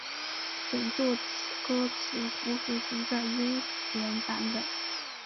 本作歌词同时存在英文版本。